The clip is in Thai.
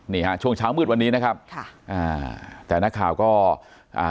นี่ฮะช่วงเช้ามืดวันนี้นะครับค่ะอ่าแต่นักข่าวก็อ่า